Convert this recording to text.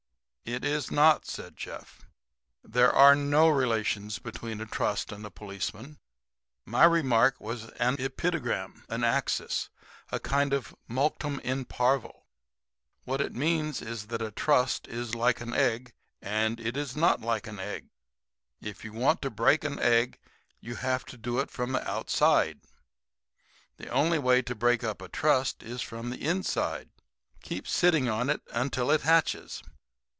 '" "It is not," said Jeff. "There are no relations between a trust and a policeman. My remark was an epitogram an axis a kind of mulct'em in parvo. What it means is that a trust is like an egg, and it is not like an egg. If you want to break an egg you have to do it from the outside. The only way to break up a trust is from the inside. Keep sitting on it until it hatches.